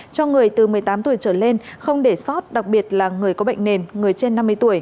cho người từ một mươi tám tuổi trở lên không để sót đặc biệt là người có bệnh nền người trên năm mươi tuổi